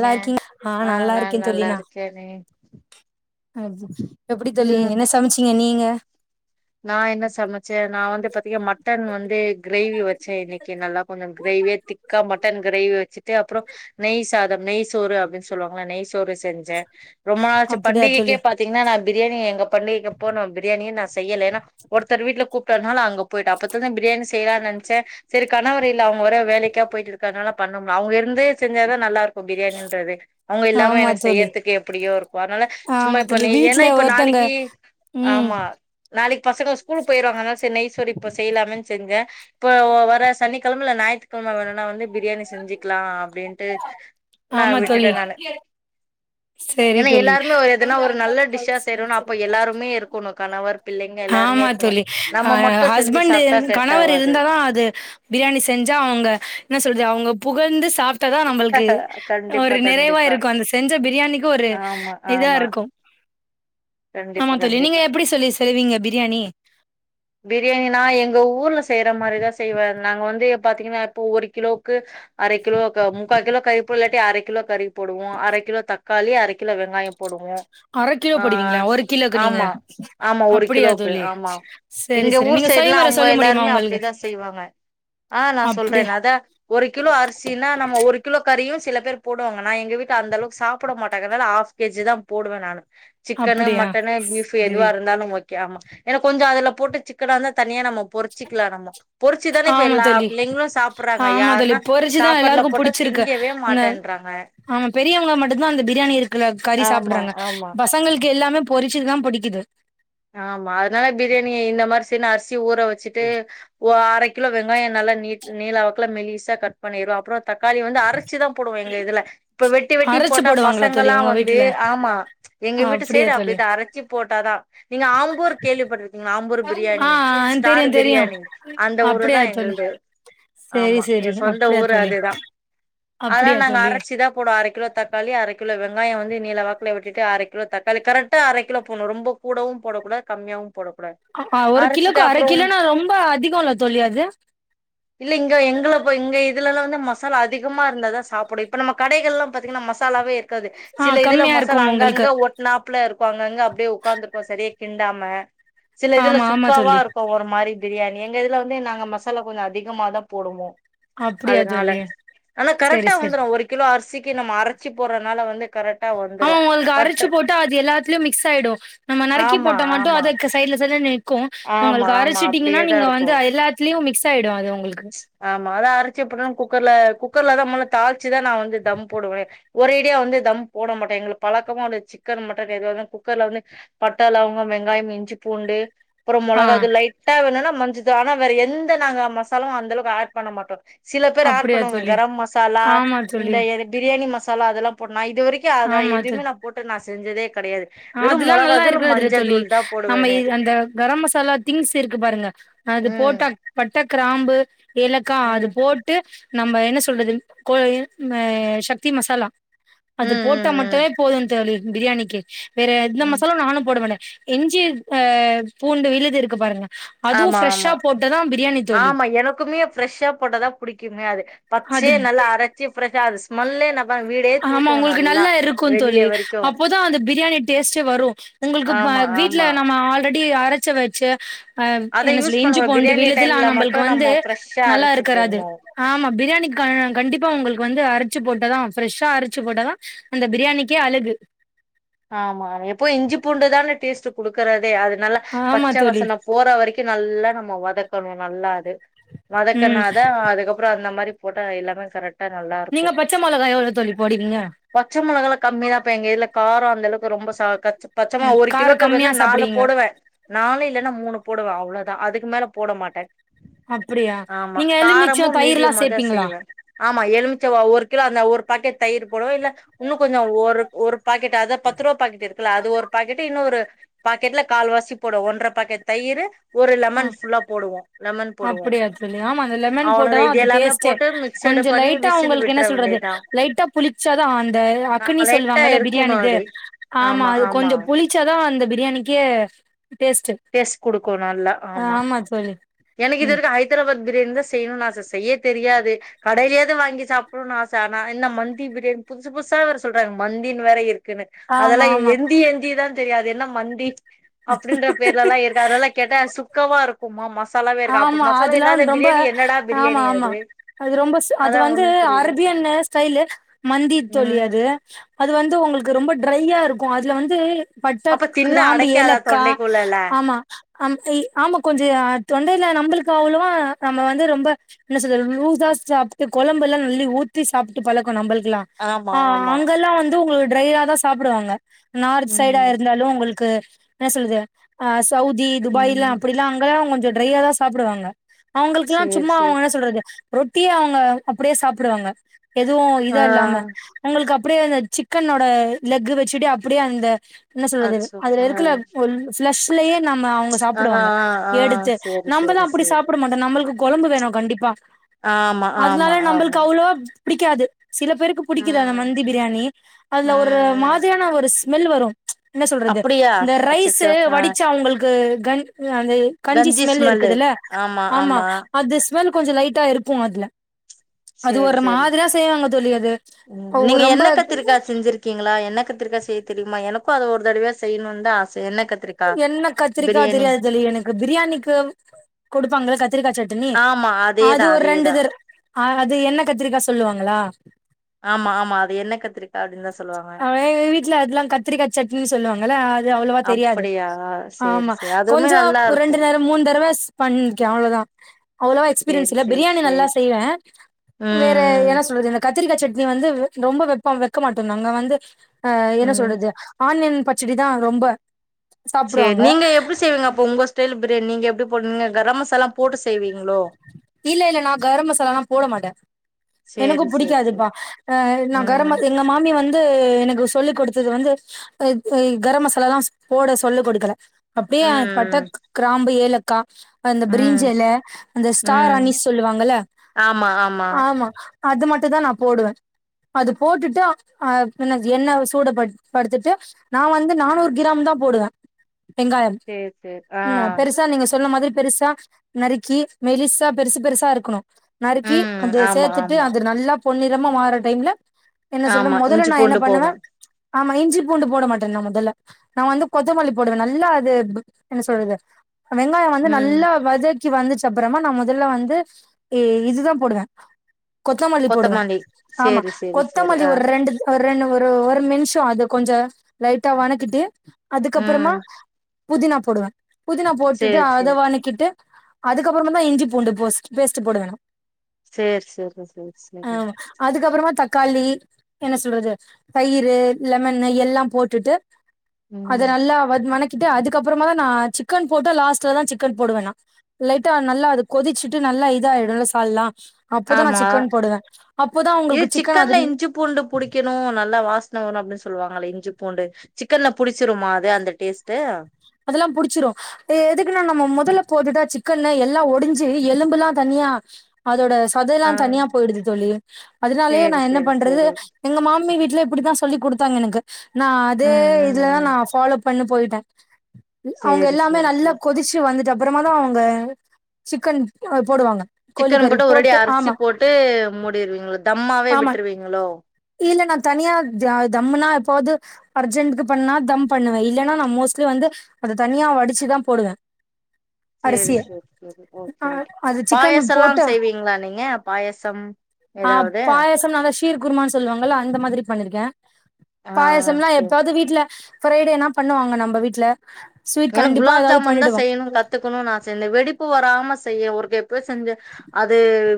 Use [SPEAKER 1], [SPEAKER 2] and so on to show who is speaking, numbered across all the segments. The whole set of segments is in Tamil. [SPEAKER 1] ங்க
[SPEAKER 2] இருக்கீங்க ஆ நல்லா
[SPEAKER 1] நா
[SPEAKER 2] இருக்கே தோழி
[SPEAKER 1] நல்லா
[SPEAKER 2] நா
[SPEAKER 1] இருக்கேனே
[SPEAKER 2] அது எப்டி தோழி
[SPEAKER 1] ம்
[SPEAKER 2] என்ன சமச்சீங்க நீங்க
[SPEAKER 1] நா என்ன சமச்சே நா வந்து பாத்தீங்க மட்டன் வந்து கிரேவி வச்சே இன்னைக்கு நல்லா கொஞ்சோ கிரேவியா திக் கா மட்டன் கிரேவி வச்சிட்டு அப்றோ நெய் சாதம் நெய்சோறு அப்டின் சொல்லுவாங்ள நெய் சோறு செஞ்சே ரொம்ப நாளாச்சி
[SPEAKER 2] அப்டியா தோழி
[SPEAKER 1] பண்டிகைக்கே பாத் தீங்னா நா பிரியாணி எங்க பண்டிகப்போ நா பிரியாணியே நா செய்யல ஏனா ஒருத்தர் வீட்ல கூப்டர்னால அங்க போய்ட்டு அப்பத்லந்து பிரியாணி செய்யலான் நெனச்சே செரி கணவர் இல்ல அவுங்க வேற வேலைக்கா போய்ட்டு இருக்கனால பண்ணும்லா அவுங்க இருந்து செஞ்சாதா நல்லா இருக் போ பிரியாணின்றது அவுங்க இல்லாம
[SPEAKER 2] ஆமா
[SPEAKER 1] எனக்கு
[SPEAKER 2] தோழி
[SPEAKER 1] செய்யுறதுக்கு எப்டியோ இருக்கு அனால சும்மா
[SPEAKER 2] ஆமா
[SPEAKER 1] இப்ப
[SPEAKER 2] தோழி
[SPEAKER 1] நீ ஏனா
[SPEAKER 2] வீட்ல
[SPEAKER 1] இப்ப
[SPEAKER 2] ஒருத்தங்க
[SPEAKER 1] நாளைக்கி
[SPEAKER 2] ம்
[SPEAKER 1] ஆமா நாளைக் பசங்க ஸ்கூலுக்கு போய்ருவாங்க அனால செரி நெய் சோறு இப்ப செய்யலாமேன் செஞ்சே இப்போ வர சனிக்கெழம புள்ள ஞாயித்துகெழம வேணுனா வந்து பிரியாணி செஞ்சுக்லா அப்டின்ட்டு நா
[SPEAKER 2] ஆமா தோழி
[SPEAKER 1] விட்டுட்டே நானு
[SPEAKER 2] செரி
[SPEAKER 1] ஏனா
[SPEAKER 2] தோழி
[SPEAKER 1] எல்லாருமே ஒரு எதுனா ஒரு நல்ல டிஷ்ஷா செய்ரோனா அப்ப எல்லாருமே இருக்கோனு கணவர் பிள்ளைங்க எல்லாருமே
[SPEAKER 2] ஆமா
[SPEAKER 1] இருக்கணு
[SPEAKER 2] தோழி அ
[SPEAKER 1] நம்ம மட்டு செஞ்சு
[SPEAKER 2] ஹஸ்பண்ட்டு
[SPEAKER 1] சாப்ட்டா செட்
[SPEAKER 2] கணவர்
[SPEAKER 1] ஆவாது
[SPEAKER 2] இருந்தாதா அது பிரியாணி செஞ்சா அவுங்க என்ன சொல்றது அவுங்க புகழ்ந்து சாப் இப்பதா நம்முளுக்கு
[SPEAKER 1] கண்டிப்பா
[SPEAKER 2] ஒரு நிறைவா
[SPEAKER 1] கண்டிப்பா
[SPEAKER 2] இருக்கு அந்த செஞ்ச பிரியாணிக்கு ஒரு
[SPEAKER 1] ஆமா
[SPEAKER 2] இதா
[SPEAKER 1] ஆமா
[SPEAKER 2] இருக்கு ஆமா
[SPEAKER 1] கண்டிப்பா
[SPEAKER 2] தோழி
[SPEAKER 1] கண்டிப்பா
[SPEAKER 2] நீங்க எப்டி சொல்லி செய்வீங்க பிரியாணி
[SPEAKER 1] பிரியாணினா எங்க ஊர்ல செய்யற மாரிதா செய்வ நாங்க வந்து இப் பாத்தீங்கனா இப்போ ஒரு கிலோவுக்கு அர கிலோக்கு முக்கா கிலோ கை புல்லாட்டி அரை கிலோ கறி போடுவோ அரை கிலோ தக்காளி அரை கிலோ வெங்காய போடுவோ
[SPEAKER 2] அர கிலோ
[SPEAKER 1] ஆ
[SPEAKER 2] போடுவீங்களா? ஒரு கிலோக்கு நீங்க
[SPEAKER 1] ஆமா ஆமா ஒரு
[SPEAKER 2] அப்டியா
[SPEAKER 1] கிலோக்கு
[SPEAKER 2] தோழி?
[SPEAKER 1] ஆமா
[SPEAKER 2] சரி
[SPEAKER 1] எங்க
[SPEAKER 2] சரி.
[SPEAKER 1] ஊர்
[SPEAKER 2] நீங்க
[SPEAKER 1] சைட்ல்லா
[SPEAKER 2] செய்முற
[SPEAKER 1] அவுங்க
[SPEAKER 2] சொல்ல முடியுமா
[SPEAKER 1] எல்லாருமே
[SPEAKER 2] உங்களுக்கு?
[SPEAKER 1] அப்டிதா செய்வாங்க ஆ நா சொல்றே
[SPEAKER 2] அப்டி
[SPEAKER 1] அதா ஒரு கிலோ அரிசி தீனா நம்மோ ஒரு கிலோ கறியு சில பேர் போடுவாங்க நா எங்க வீட்ல அந்த அளவுக்கு சாப்ட மாட்டாங்க அதனால ஆஃப் கே ஜி தா போடுவே நானு சிக்கனு
[SPEAKER 2] அப்டியா?
[SPEAKER 1] மட்டனு பீஃப்
[SPEAKER 2] சரி.
[SPEAKER 1] எதுவா இருந்தாலு ஓகே ஆமா ஏனா கொஞ்சோ அதுல போட்டு சிக்கனா இருந்தா தனியா நம்ம பொறிச்சிக்லா நம்மோ பொறிச்சி தானே இப்ப
[SPEAKER 2] ஆமா
[SPEAKER 1] எல்லா
[SPEAKER 2] தோழி.
[SPEAKER 1] பிள்ளைங்ளு சாப்பறாங்க
[SPEAKER 2] ஆமா தோழி.
[SPEAKER 1] யாருனா
[SPEAKER 2] பொரிச்சுதான்
[SPEAKER 1] சாப்பாட்ல
[SPEAKER 2] எல்லாருக்கும்
[SPEAKER 1] போட்டா
[SPEAKER 2] புடிச்சிருக்கு.
[SPEAKER 1] திங்கவே
[SPEAKER 2] அந்த
[SPEAKER 1] மாட்டேன்றாங்க
[SPEAKER 2] ஆமா பெரியவங்க மட்டுதா அந்த பிரியாணி இருக்குல கறி
[SPEAKER 1] ஆமா
[SPEAKER 2] சாப்பிட்றாங்க
[SPEAKER 1] ஆமா
[SPEAKER 2] பசங்களுக்கு எல்லாமே பொறிச்சதுதா புடிக்குது
[SPEAKER 1] ஆமா அதனால பிரியாணிய இந்த மாரி சின்ன அரிசி ஊற வச்சிட்டு ஓ அரை கிலோ வெங்காயோ நல்லா நீட் நீல வாக்ல மெலிசா கட் பண்ணிறோ அப்றோ தக்காளி வந்து அரச்சி தா போடுவோ எங்க இதுல இப்ப வெட்டி வெட்டி
[SPEAKER 2] அரைச்சு
[SPEAKER 1] போட்டா
[SPEAKER 2] போடுவாங்களா தோழி
[SPEAKER 1] பசங்களா
[SPEAKER 2] உங்க
[SPEAKER 1] வந்து
[SPEAKER 2] வீட்ல
[SPEAKER 1] ஆமா எங்க வீட்டு
[SPEAKER 2] அப்டியா
[SPEAKER 1] சைடு
[SPEAKER 2] தோழி
[SPEAKER 1] அப்டிதா அர ச்சி போட்டாதா நீங்க ஆம்பூர் கேள்விப் பட்டிருக்கீங்ளா ஆம்பூர்
[SPEAKER 2] ஆ
[SPEAKER 1] பிரியாணி
[SPEAKER 2] ஆ தெரியு
[SPEAKER 1] ஸ்டார்
[SPEAKER 2] தெரியு
[SPEAKER 1] பிரியாணி அந்த ஊரு
[SPEAKER 2] அப்டியா
[SPEAKER 1] தா
[SPEAKER 2] தோழி
[SPEAKER 1] எங்கள்து
[SPEAKER 2] செரி
[SPEAKER 1] ஆமா எ
[SPEAKER 2] செரி
[SPEAKER 1] சொந்த
[SPEAKER 2] அப்டியா
[SPEAKER 1] ஊரு
[SPEAKER 2] தோழி
[SPEAKER 1] அதுதா அதனால
[SPEAKER 2] அப்டியா
[SPEAKER 1] நாங்க
[SPEAKER 2] தோழி
[SPEAKER 1] அரச்சி தா போடுவோ அரை கிலோ தக் காளி அரை கிலோ வெங்காய வந்து நீல வாக்குல வெட்டிட்டு அரை கிலோ தக்காளி கரெக்டா அரை கிலோ போன்னு ரொம்போ கூடவு போட கூடாது கம்மியாவு போட கூடாது
[SPEAKER 2] ஆ ஆ ஒரு கிலோக்கு அரை கிலோனா ரொம்ப அதிகோல்ல தோழி அது
[SPEAKER 1] இப்ப இங்க இதுலல்லா வந்து மசாலா அதிகமா இருந்தாதா சாப்புடு இப்ப நம்ம கடைகள்ள பாத்தீங்கனா மசாலாவே இரு காது
[SPEAKER 2] ஆ
[SPEAKER 1] சில இதுல
[SPEAKER 2] கம்மியா இருக்கு
[SPEAKER 1] மசாலா
[SPEAKER 2] உங்களுக்கு
[SPEAKER 1] அங்கங்க ஒட் நாப்புல இருக்கு அங்கங்க அப்டியே ஒக்காந்திருப்போ செரிய கிண்டாம சில இதுல
[SPEAKER 2] ஆமா ஆமா
[SPEAKER 1] சுக்காவா
[SPEAKER 2] தோழி
[SPEAKER 1] இருக்கு ஒரு மாரி பிரியாணி எங்க இதுல வந்து நாங்க மசாலா கொஞ்சோ அதிகமா தா போடுவோ
[SPEAKER 2] அப்டியா
[SPEAKER 1] அதனால
[SPEAKER 2] தோழி
[SPEAKER 1] ஆனா
[SPEAKER 2] செரி
[SPEAKER 1] கரெக்டா
[SPEAKER 2] செரி
[SPEAKER 1] வந்துரு ஒரு கிலோ அரிசிக்கு நம்ம அரச்சி போறதுனால வந்து கரெக்டா வந்துரும் பட்
[SPEAKER 2] டா அது எல்லாத்தலயு மிக்ஸ் ஆயிடு நம்ம நறுக்கி
[SPEAKER 1] ஆமா
[SPEAKER 2] போட்ட மட்டு
[SPEAKER 1] ஆமா
[SPEAKER 2] அது சைட்ல சைல
[SPEAKER 1] ஆமா
[SPEAKER 2] உங்களுக்கு
[SPEAKER 1] ஆமா
[SPEAKER 2] அரச்சிட்டீங்கன்னா
[SPEAKER 1] அப்டியேதா
[SPEAKER 2] நீங்க
[SPEAKER 1] இருக்கு
[SPEAKER 2] வந்து எல்லாத்திலியு மிக்ஸ் ஆயிடு அது உங்களுக்
[SPEAKER 1] ஆமா அதா அரச்சு போட்டனு குக்கர்ல குக்கர்லதா முன்ன தாள்ச்சுதா நா வந்து தம் போடுவ ஒரேடியா வந்து தம் போட மாட்ட எங்களுக்கு பழக்கமு இல்ல சிக்கன் மட்டு எத குக்கர்ல வந்து பட்ட லவங்கம் வெங்காயம் இஞ்சி பூண்டு அப்றோ
[SPEAKER 2] ஆ
[SPEAKER 1] மொளக அது லைட்டா வேணுன்னா மஞ்சது ஆனா வேற எந்த நாங்க மசாலவு அந்த அளவுக்கு ஆட் பண்ண மாட்டோ சில பேர் ஆட்
[SPEAKER 2] அப்டியா
[SPEAKER 1] பண்ணுவாங்க
[SPEAKER 2] தோழி
[SPEAKER 1] கரம் மசாலா
[SPEAKER 2] ஆமா தோழி
[SPEAKER 1] இந்த பிரியாணி மசாலா அதெல்லா போட்னா இது வரைக்கு அதா
[SPEAKER 2] ஆமா
[SPEAKER 1] எதுமே
[SPEAKER 2] தோழி
[SPEAKER 1] நா போட்டு நா செஞ்சதே கெடையாது
[SPEAKER 2] அதெல்லா நல்லா இருக்கறதில்ல தோழி நம்ம
[SPEAKER 1] போடுவேனே
[SPEAKER 2] அந்த கரம் மசாலா திங்ஸ் இருக்கு பாருங்க அது போட்டா
[SPEAKER 1] ம்
[SPEAKER 2] பட்ட கிராம்பு ஏலக்கா அது
[SPEAKER 1] ம்
[SPEAKER 2] போட்டு நம்ம என்ன சொல்றது கோ ஏ மே சக்தி மசாலா
[SPEAKER 1] ம்
[SPEAKER 2] அது போட்டா
[SPEAKER 1] ம்
[SPEAKER 2] மட்டுமே
[SPEAKER 1] ம்
[SPEAKER 2] போது தோழி பிரியாணிக்கு வேற எந்த
[SPEAKER 1] ம்
[SPEAKER 2] மசாலு நானு போட மாட்ட இஞ்சி ஆ பூண்டு விழுது இருக்கு பாருங்க அதுவும்
[SPEAKER 1] ஆமா
[SPEAKER 2] ஃப்ரெஷ்ஷா
[SPEAKER 1] ஆமா
[SPEAKER 2] போட்டதா பிரியாணி தோழி
[SPEAKER 1] ஆமா எனக்குமே ஃபிரெஷ்ஷா போட்டதா புடிக்குமே அது
[SPEAKER 2] அது
[SPEAKER 1] பச்சையா நல்லா அர ச்சி ப்ரஷா அது ஸ்மெல்லே நப்பாங் வீடே தூக்கு நல்லா வெளிய வரைக்கு
[SPEAKER 2] அப்பதா அந்த பிரியாணி டேஸ்ட்டே வரு உங்களுக்கு
[SPEAKER 1] ஆமா
[SPEAKER 2] வீட்ல
[SPEAKER 1] ஆமா
[SPEAKER 2] நம்ம ஆல்ரெடி அரைச்ச வச்ச அஹ்
[SPEAKER 1] அத
[SPEAKER 2] என்ன சொல்ல
[SPEAKER 1] யூஸ்
[SPEAKER 2] இஞ்சி
[SPEAKER 1] பண்ணுவோ
[SPEAKER 2] பூண்டு
[SPEAKER 1] பிரியாணி
[SPEAKER 2] விழுதுல
[SPEAKER 1] டைம்ல மட்டு
[SPEAKER 2] நம்பளுக்கு வந்து
[SPEAKER 1] நம்ம ஃப்ரெஷ்ஷா
[SPEAKER 2] நல்லா
[SPEAKER 1] அரைச்சு
[SPEAKER 2] இருக்கறாது
[SPEAKER 1] போடணு
[SPEAKER 2] ஆமா பிரியாணி கண்டிப்பா உங்களுக்கு வந்து அரை அரைச்சு போட்டதா ஃப்ரெஷ்ஷா அரைச்சு போட்டதா அந்த பிரியாணிக்கே அழகு
[SPEAKER 1] ஆமா எப்போ இஞ்சி பூண்டுதான டேஸ்ட் குடுக்குறதே அதுனால
[SPEAKER 2] ஆமா
[SPEAKER 1] பச்சை
[SPEAKER 2] தோழி
[SPEAKER 1] வாசன போற வரைக்கு நல்லா நம்ம வதக்கணு நல்லா அது
[SPEAKER 2] ம்
[SPEAKER 1] வதக்கனாதா அதுக்கப் றோ அந்த மாரி போட்டா எல்லாமே கரெட்
[SPEAKER 2] நீங்க பச்ச மொளகா எவ்ளோ தோழி போடுவீங்க
[SPEAKER 1] பச்சமொளகல்லா கம்மி தா பா எங்க இதுல காரோ அந்தளவுக்கு ரொம்ப ச க பச்சமா
[SPEAKER 2] ம்
[SPEAKER 1] ஒரு
[SPEAKER 2] காரோ
[SPEAKER 1] கிலோக்கு வந்து
[SPEAKER 2] கம்மியா
[SPEAKER 1] நாலு
[SPEAKER 2] சாப்பிடுவீங்க
[SPEAKER 1] போடுவ நாலு இல்லன்னா மூணு போடுவ அவ்ளோதா அதுக்கு மேல போட மாட்ட
[SPEAKER 2] அப்டியா
[SPEAKER 1] ஆமா
[SPEAKER 2] நீங்க எலுமிச்ச
[SPEAKER 1] காரமும்
[SPEAKER 2] தயிர்லா
[SPEAKER 1] மீடியமாதா
[SPEAKER 2] சேப்பீங்களா
[SPEAKER 1] செய்வ ஆமா எலுமிச்ச ஒரு கிலோ அந்த ஒரு பாக்கெட் தயிர் போடுவ இல்ல உன்னு கொஞ்சோ ஒரு ஒரு பாக்கெட் அத பத்ருவா பாக்கெ இருக்குல அது ஒரு பாக்கெட் இன்னொரு பாக்கெட்ல கால்வாசி போடுவ ஒன்ற பாக்கெட் தயிரு ஒரு
[SPEAKER 2] ஆ
[SPEAKER 1] லெமன் ஃபுல்லா போடுவோ லெமன் போடுவோ
[SPEAKER 2] அப்படியா தோழி ஆமா அந்த லெமன்
[SPEAKER 1] அவ்ளோதா
[SPEAKER 2] போட்டதா
[SPEAKER 1] இது
[SPEAKER 2] அது
[SPEAKER 1] எல்லாமே
[SPEAKER 2] டேஸ்ட்டே
[SPEAKER 1] போட்டு மிக்சடு
[SPEAKER 2] கொஞ்ச
[SPEAKER 1] பண்ணி
[SPEAKER 2] லைட்டா
[SPEAKER 1] விசில்
[SPEAKER 2] உங்களுக்கு
[SPEAKER 1] விட்ற
[SPEAKER 2] என்ன சொல்றது
[SPEAKER 1] வேண்டியதா
[SPEAKER 2] லைட்டா புளிச்சாதா அந்த
[SPEAKER 1] ஆமா
[SPEAKER 2] அக்னி
[SPEAKER 1] லைட்டா
[SPEAKER 2] சொல்வாங்கல்ல
[SPEAKER 1] இருக்கணு
[SPEAKER 2] பிரியாணிது
[SPEAKER 1] அது
[SPEAKER 2] ஆமா அது கொஞ்ச புளி ச்சாதா அந்த பிரியாணிக்கே டேஸ்ட்டு
[SPEAKER 1] டேஸ்ட் குடுக்க நல்லா ஆமா எனக்கு இது
[SPEAKER 2] ம்
[SPEAKER 1] இதுவரைக்கு ஆயத் த்தரபத்ரி இந்தா செய்யணுனு ஆச செய்ய தெரியாது கடையிலயாது வாங்கி சாப்படுனு ஆச ஆனா என்ன மந்தி பிரியாணி புதுச புதுசா வேற சொல்றாங்க மந்தின்னு வேற இருக் க்குனு
[SPEAKER 2] ஆமா
[SPEAKER 1] அதல்லா
[SPEAKER 2] ஆமா
[SPEAKER 1] எந்தி எந்திதா தெரியாது என்ன மந்தி அப்டின்ற எல்லல இருக்கா அதெல்லா கேட்ட சுக்கமா இருக் குமா மசாலாவே இருக்கா அப்ப
[SPEAKER 2] ஆமா
[SPEAKER 1] மசாலா
[SPEAKER 2] அதெல்லா
[SPEAKER 1] என்னாத
[SPEAKER 2] ரொம்ப
[SPEAKER 1] பிரியாணி என்னடா
[SPEAKER 2] ஆமா
[SPEAKER 1] பிரியாணி
[SPEAKER 2] ஆமா
[SPEAKER 1] அது
[SPEAKER 2] அது ரொம்ப அது
[SPEAKER 1] அதா
[SPEAKER 2] வந்து
[SPEAKER 1] ஒண்ணு புரியல
[SPEAKER 2] அரபியன் ஸ்டைல்லு மந்தி தோழி
[SPEAKER 1] ம்
[SPEAKER 2] அது அது வந்து உங்களுக்கு ரொம்ப ட்ரையா இருக்கு அதுல வந்து பட்ட
[SPEAKER 1] அப்ப திண்ண
[SPEAKER 2] கிராம்பு
[SPEAKER 1] அடைக்காதா
[SPEAKER 2] ஏலக்கா
[SPEAKER 1] தொண்டைக்குள்ளல்ல
[SPEAKER 2] ஆமா ஆ ஆமா கொஞ்சோ தொண்டையில நம்மளுக்கு அவ்ளவா நம்ம வந்து ரொம்ப என்ன சொல்றது லூசா சாப்பிட்டு குழம்ப எல்லா அல்லி ஊத்தி சாப்ட்டு பழக்கம் நம்மளுக்குல்லா
[SPEAKER 1] ஆமா
[SPEAKER 2] ஆ
[SPEAKER 1] ஆமா
[SPEAKER 2] அங்கெல்லா வந்து உங்களுக்கு ட்ரையா தா சாப்டுவாங்க நார்த் சைடா
[SPEAKER 1] ம்
[SPEAKER 2] இருந்தாலு உங்களுக்கு என்ன சொல்து அ சவுதி துபாய் எல்லா
[SPEAKER 1] ம்
[SPEAKER 2] அப்டிலா அங்கெல்லா கொஞ்சம் ட்ரையா தா சாப்டுவாங்க அவுங்களுக்கல்லா
[SPEAKER 1] சேரி
[SPEAKER 2] சும்மா
[SPEAKER 1] சேரி
[SPEAKER 2] அவுங்க என்ன சொல்றது ரொட்டியே அவுங்க அப்டியே சாப்டுவாங்க எதுவும்
[SPEAKER 1] ஆ
[SPEAKER 2] இதா இல்லாம உங்களுக்கு அப்டியே அந்த சிக்கனோட லெக் வச்சுட்டு அப்டியே அந்த என்ன
[SPEAKER 1] அ
[SPEAKER 2] சொல்றது அதுல
[SPEAKER 1] சூப்பர்
[SPEAKER 2] இருக்குல ஒரு ஃப்ளஷ்லயே நம்ம அவுங்க
[SPEAKER 1] ஆ
[SPEAKER 2] சாப்டுவாங்க
[SPEAKER 1] ஆ ஆ
[SPEAKER 2] எடுத்து
[SPEAKER 1] சேரி
[SPEAKER 2] நம்மலா
[SPEAKER 1] சேரி
[SPEAKER 2] அப்டி
[SPEAKER 1] சேரி
[SPEAKER 2] சாப்ட மாட்டோ நம்மளுக்கு குழம்பு வேணு கண்டிப்பா
[SPEAKER 1] ஆமா
[SPEAKER 2] அதனால
[SPEAKER 1] ஆமா ஆமா
[SPEAKER 2] நம்ளுக்கு அவ்ளவா பிடிக்காது சில பேருக்கு
[SPEAKER 1] ஆ
[SPEAKER 2] பிடிக்குது அந்த மந்தி பிரியாணி அதுல
[SPEAKER 1] ஆ
[SPEAKER 2] ஒரு மாதிரியான ஒரு ஸ்மெல் வரு என்ன சொல்றது
[SPEAKER 1] அப்டியா
[SPEAKER 2] இந்த ரைஸு
[SPEAKER 1] அச்சச்சோ ஆ
[SPEAKER 2] வடிச்சா அவுங்களுக்கு கண் அது
[SPEAKER 1] கஞ்சி ஷ்
[SPEAKER 2] இருக்குதுல்ல ஆமா அது ஸ்மெல் கொஞ்சோ லைட்டா இருக்கு அதுல அது
[SPEAKER 1] சேரி
[SPEAKER 2] ஒரு
[SPEAKER 1] சேரி
[SPEAKER 2] மாதிரியா செய்வாங்க தோழி அது ரொம்ப
[SPEAKER 1] இருக்கீங்களா என்ன கத்திரிக்கா செய்ய தெரியுமா எனக்கு அது ஒரு தடவயாவது ஆச செய்யணும்னு தா ஆசை என்ன கத்து
[SPEAKER 2] என்ன கத்திரிக்கா தெரியாது தோழி எனக்கு பிரியாணிக்கு குடுப்பாங்கள கத்திரிக்கா சட்டனி
[SPEAKER 1] ஆமா அதேதா
[SPEAKER 2] அது ஒரு ரெண்டு
[SPEAKER 1] அதேதா
[SPEAKER 2] தர் அது என்ன கத்திரிக்கா சொல்லுவாங்களா
[SPEAKER 1] ஆமா ஆமா அது என்ன கத்திரிக்கா அப்டின் தா சொல்
[SPEAKER 2] எ வீட்ல அதெல்லா கத்ரிக்காய் சட்னின்னு சொல்லுவாங்கல்ல அது அவ்ளவா தெரியாது
[SPEAKER 1] அப்படியா சேரி
[SPEAKER 2] ஆமா
[SPEAKER 1] சேரி அதுவுமே
[SPEAKER 2] கொஞ்சோ
[SPEAKER 1] நல்லா
[SPEAKER 2] ரெண்டு
[SPEAKER 1] இருக்கு
[SPEAKER 2] நேரம் மூணு தடவை பண்ணிருக்கே அவ்ளோவுதா அவ்ளவா எக்ஸ்பீரியன்ஸ்
[SPEAKER 1] சேரி
[SPEAKER 2] இல்ல
[SPEAKER 1] சேரி
[SPEAKER 2] பிரியாணி நல்லா
[SPEAKER 1] சேரி
[SPEAKER 2] செய்வே வேற
[SPEAKER 1] ம்
[SPEAKER 2] என்ன சொல்றது இந்த கத்திரிக்கா சட்னி வந்து ரொம்ப வெப்ப வைக்க மாட்டோ நாங்க வந்து அ
[SPEAKER 1] ம்
[SPEAKER 2] என்ன
[SPEAKER 1] ம்
[SPEAKER 2] சொல்றது ஆனியன் பச்சடி தா ரொம்ப
[SPEAKER 1] செரி
[SPEAKER 2] சாப்டுவாங்க
[SPEAKER 1] நீங்க எப்டி செய்வீங்க அப்ப உங்க ஸ்டைல் பிரியாணி நீங்க எப்டி போ நீங்க கரம் மசாலா போட்டு செய்வீங்களோ
[SPEAKER 2] இல்ல இல்ல நா கரம் மசாலல்லா போட மாட்டே எனக்கு
[SPEAKER 1] சேரி சேரி சேரி
[SPEAKER 2] பிடிக்காதுப்பா நா கரம
[SPEAKER 1] ம்
[SPEAKER 2] எங்க மாமி வந்து எனக்கு சொல்லிக குடுத்தது வந்து கரம் மசாலல்லா போட சொல்லு குடுக்கல அப்டியே பட்ட
[SPEAKER 1] ம்
[SPEAKER 2] கிராம்பு ஏலக்கா அந்த பிரிஞ்சு
[SPEAKER 1] ம்
[SPEAKER 2] இலை அந்த ஸ்டார்
[SPEAKER 1] ம்
[SPEAKER 2] அனிஸ் சொல்லுவாங்க ல ஆமா அது மட்டு தா நா போடுவே அது போட்டுட்டு அ எண்ணெய் சூடு படுத்துட்டு நான் வந்து நானூறு
[SPEAKER 1] ம்
[SPEAKER 2] கிராம் தா போடுவே வெங்காயம்
[SPEAKER 1] சேரி சேரி ஆ
[SPEAKER 2] பெருசா நீங்க சொன்ன மாதிரி பெருசா நறுக்கி மெலிசா பெருசு பெருசா இருக்கணு நறுக்கி
[SPEAKER 1] ம்
[SPEAKER 2] அந்த
[SPEAKER 1] ஆமா
[SPEAKER 2] சேர்த்துட்டு
[SPEAKER 1] ஆமா
[SPEAKER 2] அது நல்லா பொன்னிறமா மாற்ற டைம்ல என்ன சொல்றே
[SPEAKER 1] ஆமா
[SPEAKER 2] முதல்ல
[SPEAKER 1] இஞ்சி
[SPEAKER 2] நா என்ன
[SPEAKER 1] பூண்டு
[SPEAKER 2] பண்ணுவே
[SPEAKER 1] போட்ணு
[SPEAKER 2] ஆமா இஞ்சி பூண்டு போட மாட்டே நா முதல்ல நான் வந்து கொத்தமல்லி போடுவே நல்லா அது என்ன சொல்றது வெங்காய வந்து
[SPEAKER 1] ம்
[SPEAKER 2] நல்லா வதக்கி வந்துச்சு அப்றமா நா முதல்ல வந்து இதுதா போடுவே கொத்தமல்லி போடுவே ஆமா
[SPEAKER 1] சேரி சேரி சேரி
[SPEAKER 2] கொத்தமல்லி
[SPEAKER 1] ஆ
[SPEAKER 2] ஒரு ரெண்டு ஒரு ரெண்டு ஒரு ஒரு நிமிஷம் அத கொஞ்சோ லைட்டா வணக்கிட்டு அதுக்கப்றமா
[SPEAKER 1] ம்
[SPEAKER 2] புதினா போடுவே புதினா போட்டுட்டு
[SPEAKER 1] சேரி
[SPEAKER 2] அத
[SPEAKER 1] சேரி
[SPEAKER 2] வணக்கிட்டு அதுக்கப்புறம் தா இஞ்சி பூண்டு போஸ பேஸ்ட் போடுவே
[SPEAKER 1] சேரி சேரி சேரி சரி
[SPEAKER 2] ஆ அதுக்கப்புறமா தக்காளி என்ன சொல்றது தயிறு, லெமன் எல்லாம் போட்டுட்டு அது
[SPEAKER 1] ம்
[SPEAKER 2] நல்லா வ வனக்கி கிட்டு அதுக்கப்பறமாதா நா சிக்கன் போட்டு லாஸ்ட்டாதா சிக்கன் போடுவன் நா லைட்டா நல்லா அது கொதிச்சிட்டு நல்லா இத ஆயிடுல்ல சால்னா அப்போதா நா
[SPEAKER 1] ஆமா
[SPEAKER 2] சிக்கன் போடுவன் அப்போதா
[SPEAKER 1] இது
[SPEAKER 2] உங்களுக்கு சிக்கன் அது
[SPEAKER 1] சிக்கன்ல இஞ்சி பூண்டு புடிக்கணு நல்லா வாசன வரனு அப்டின்னு சொல்லுவாங்கள்ள இஞ்சி பூண்டு சிக்கன்ல புடிச்சிருமா அது அந்த டேஸ்ட்டு
[SPEAKER 2] அதெல்லாம் புடிச்சிரு அ எதுக்குனா நம்ம மொதல்ல போட்டுட்டா சிக்கன்ல எல்லா ஒடிஞ்சு எலும்பெல்லா தனியா அதோட சதயெல்லா
[SPEAKER 1] ஆ
[SPEAKER 2] தனியா போயிடுது தோழி அதனாலயே நா
[SPEAKER 1] சேரி
[SPEAKER 2] என்ன
[SPEAKER 1] சேரி
[SPEAKER 2] பண்றது
[SPEAKER 1] சேரி
[SPEAKER 2] எங்க மாமி வீட்ல இப்டிதா சொல்லி குடுத்தாங்க எனக்கு நா அதே
[SPEAKER 1] ம் ம்
[SPEAKER 2] இதுலதா
[SPEAKER 1] ம்
[SPEAKER 2] நா ஃபாலோ பண்ண போயிட்டன் அவுங்க
[SPEAKER 1] சேரி
[SPEAKER 2] எல்லாமே
[SPEAKER 1] சேரி
[SPEAKER 2] நல்லா
[SPEAKER 1] சேரி
[SPEAKER 2] கொதிச்சு வந்துட்டு அப்பறமாதா அவுங்க சிக்கன் போடுவாங்க
[SPEAKER 1] சிக்கன்
[SPEAKER 2] கோழிக்கறி
[SPEAKER 1] போட்டு ஒரேடியா அரிசி
[SPEAKER 2] ஆமா
[SPEAKER 1] போட்டு மூடிருவீங்ளோ தம்மாவே
[SPEAKER 2] ஆமா
[SPEAKER 1] விட்டுருவீங்ளோ
[SPEAKER 2] இல்ல நா தனியா த தம்மெல்லா எப்பயாது அர்ஜன்ட்டு பண்ணா நா தம் பண்ணுவன் இல்லனா நா மோஸ்ட்லி வந்து அத தனியா வடிச்சுதா போடுவன்
[SPEAKER 1] சேரி சேரி சேரி
[SPEAKER 2] ஆ
[SPEAKER 1] ஓகேங்
[SPEAKER 2] அது சிக்கன்
[SPEAKER 1] பாயாசல்லாம்
[SPEAKER 2] போட்டு
[SPEAKER 1] செய்வீங்ளா நீங்க பாயாசம்
[SPEAKER 2] ஆ பாயாசோ நல்லா கீர் குருமான்னு சொல்லுவாங்கள்ள அந்த மாரி பண்ணிருக்கேன்
[SPEAKER 1] ஆ
[SPEAKER 2] பாயாசமெல்லா
[SPEAKER 1] சேரி
[SPEAKER 2] எப்பயாது வீட்ல ஃப்ரைடேனா பண்ணுவாங்க நம்ம வீட்ல ஸ்வீட் கண்டிப்பா எதாவது பண்ணிடுவோ
[SPEAKER 1] த்துக்கணு ஆச இந்த வெடிப்பு வராம செய்ய ஒருக்கு எப்டி செஞ்ச அது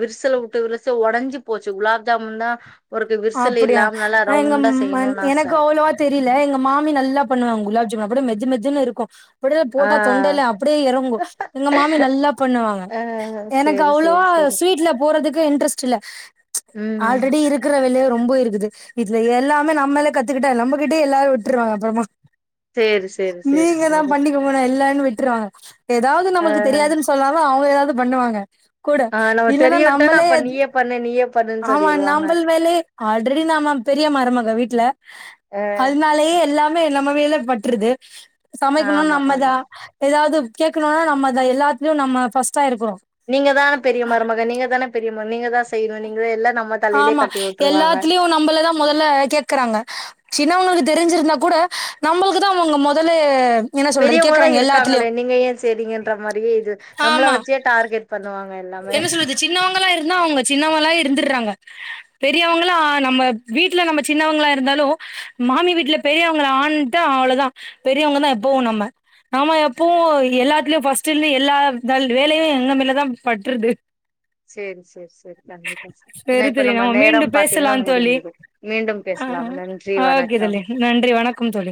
[SPEAKER 1] விரசல் விட்டு விரிச ஒடஞ்சு போச்சு குலாப் ஜாமுன்தா
[SPEAKER 2] அப்டியா எங்கம்
[SPEAKER 1] செய்யணுனு ஆச
[SPEAKER 2] எனக்கு அவ்ளவா தெரில எங்க மாமி நல்லா பண்ணுவாங்க குலாப்ஜாம் கூட மெது மெதுன்னு இருக்கு அப்டியே
[SPEAKER 1] ஆ
[SPEAKER 2] போட்டா தொண்டைல அப்டியே எறங்கு எங்க மாமி நல்லா பண்ணுவாங்க
[SPEAKER 1] ஆ
[SPEAKER 2] எனக்கு
[SPEAKER 1] சேரி
[SPEAKER 2] அவ்ளவா
[SPEAKER 1] சேரி சேரி
[SPEAKER 2] ஸ்வீட்ல போறதுக்கு இன்ட்ரெஸ்ட் இல்ல
[SPEAKER 1] ம்
[SPEAKER 2] ஆல்ரெடி இரு க்கற வேலயே ரொம்ப இருக்குது இதுல எல்லாமே நம்மளே கத்துகிட்டா நம்மகிட்டயே எல்லாரு விட்டுருவாங்க அப்புறமா
[SPEAKER 1] சேரி சேரி சேரி
[SPEAKER 2] நீங்கதா
[SPEAKER 1] சேரி
[SPEAKER 2] பண்ணிங்கம்போல இல்லனு விட்டுருவாங்க எதாவது
[SPEAKER 1] ஆ
[SPEAKER 2] நம்மளுக்கு தெரியாதுன் சொன்னாதா அவுங்க எதாவது பண்ணுவாங்க கூட
[SPEAKER 1] ஆ நம்ம
[SPEAKER 2] இல்லனா
[SPEAKER 1] தெரியுன்ட்டோனா
[SPEAKER 2] நம்மளே
[SPEAKER 1] அப்ப நீயே பண்ணு நீயே பண்ணுன்னு
[SPEAKER 2] ஆமா நம்
[SPEAKER 1] சொல்லிருவாங்க
[SPEAKER 2] மேலயே ஆல்ரெடி நாம பெரிய மருமக வீட்ல
[SPEAKER 1] ஆ
[SPEAKER 2] அதனாலயே எல்லா மே நம்ம வேல பட்டுருது சமைக்கணு
[SPEAKER 1] ஆமா
[SPEAKER 2] நம்மதா
[SPEAKER 1] ஆமா
[SPEAKER 2] எதாவது கேட்கணுனா நம்மதா எல்லாத்தலயு நம்ம ஃபர்ஸ்ட்டா இருக்குறோ
[SPEAKER 1] நீங்கதான பெரிய மருமக நீங்கதான பெரிய ம நீங்கதா செய்யணு நீங்கதா எல்லா நம்மட்ட
[SPEAKER 2] ஆமா எல்லாத்துலயு நம்மளதா மொதல்ல கேக்கறாங்க சின்னவங்களுக்கு தெரிஞ்சிருந்தா கூட நம்மளுக்குதா அவுங்க மொதலு
[SPEAKER 1] பெரியவங்கதா இருக்காங்களே நீங்க ஏன் செய்றீங்கன்ற மாரியே இது நம்மள
[SPEAKER 2] ஆமா
[SPEAKER 1] வெச்சே டார்கெட் பண்ணுவாங்க எல்லாமே
[SPEAKER 2] என்ன சொல்றது சின்னவங்கலா இருந்தா அவுங்க சின்னவங்கலா இருந்திர்றாங்க பெரியவங்ளா நம்ம வீட்ல நம்ம சின்னவங்ளா இருந்தாலு மாமி வீட்ல பெரியவங்களா ஆனுட்டா அவ்ளோதா பெரியவங்கதா எப்பவு நம்ம நா எப்பவு எல்லாத்துலயு ஃபர்ஸ்ட்லந்து எல்லா வேல வேலயு எங்க மேலதா பட்டுருது
[SPEAKER 1] சேரி சேரி சேரி கண்டிப்பா சேரி ஏனா
[SPEAKER 2] செரி
[SPEAKER 1] இப்ப
[SPEAKER 2] தோழி
[SPEAKER 1] நம்ம
[SPEAKER 2] மீண்டு
[SPEAKER 1] நேரம்
[SPEAKER 2] பேசலா
[SPEAKER 1] பாத்தீங்கனா
[SPEAKER 2] தோழி
[SPEAKER 1] முடிஞ்சிரு மீண்டும்
[SPEAKER 2] ஆ
[SPEAKER 1] பேசலாம் நன்றி
[SPEAKER 2] ஓகே தோழி
[SPEAKER 1] வணக்கம்
[SPEAKER 2] நன்றி வணக்கம் தோழி